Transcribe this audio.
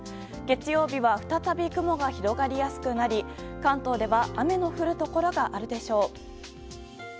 月曜日は再び雲が広がりやすくなり関東では雨の降るところがあるでしょう。